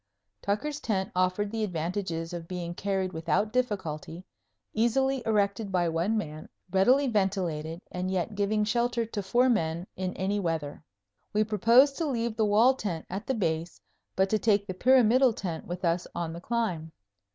Tucker's tent offered the advantages of being carried without difficulty, easily erected by one man, readily ventilated and yet giving shelter to four men in any weather. We proposed to leave the wall tent at the Base, but to take the pyramidal tent with us on the climb.